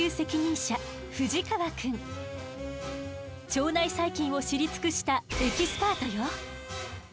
腸内細菌を知り尽くしたエキスパートよ。